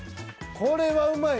これはうまい。